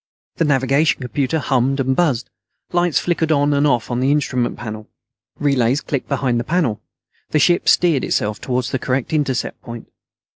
The navigation computer hummed and buzzed; lights flickered on and off on the instrument panel; relays clicked behind the panel. The ship steered itself toward the correct intercept point.